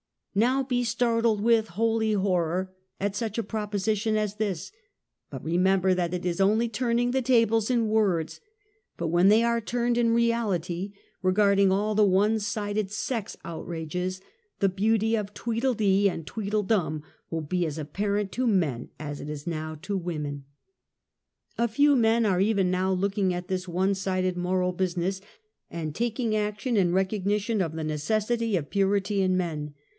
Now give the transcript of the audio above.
l^ow be startled with "holy horror" at such a proposition as this, but remember that it is only turning the tables in words but when they are turned in reality regarding all of the one sided sex outrages, the beauty of tweedledee and tweedledum will be as ajDparent to men as it is now to women. A few men are even now looking at this one sided moral business and taking action in recognition of the necessity of purity in men.